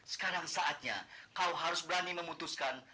sekarang saatnya kau harus berani memutuskan